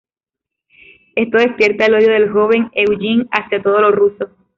Esto despierta el odio del joven Eugen hacía todo lo ruso.